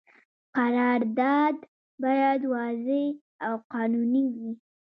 قرارداد باید واضح او قانوني وي.